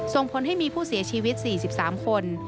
ส่งผลให้มีผู้เสียชีวิต๔๓คน